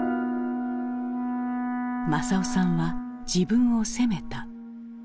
政男さんは自分を責めた。